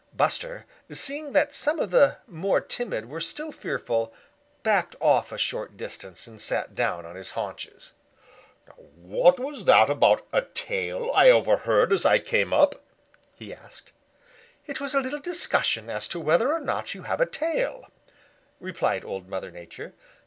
Buster, seeing that some of the more timid were still fearful, backed off a short distance and sat down on his haunches. "What was that about a tail I overheard as I came up?" he asked. "It was a little discussion as to whether or not you have a tail," replied Old Mother Nature.